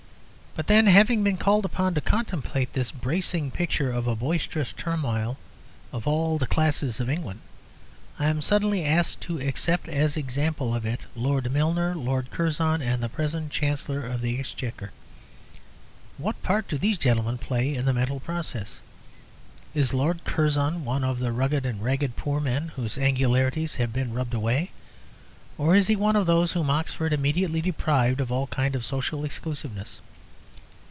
But then, having been called upon to contemplate this bracing picture of a boisterous turmoil of all the classes of England, I am suddenly asked to accept as example of it, Lord Milner, Lord Curzon, and the present Chancellor of the Exchequer. What part do these gentlemen play in the mental process? Is Lord Curzon one of the rugged and ragged poor men whose angularities have been rubbed away? Or is he one of those whom Oxford immediately deprived of all kind of social exclusiveness?